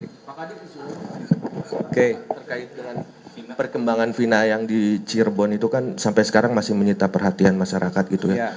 oke terkait dengan perkembangan final yang di cirebon itu kan sampai sekarang masih menyita perhatian masyarakat gitu ya